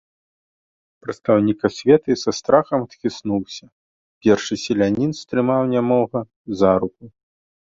Прадстаўнік асветы са страхам адхіснуўся, першы селянін стрымаў нямога за руку.